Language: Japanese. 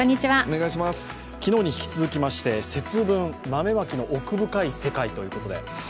昨日に引き続きまして節分、豆まきの奥深い世界ということで。